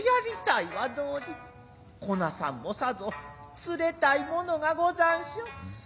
こなさんもさぞ連れたい者がござんしょう。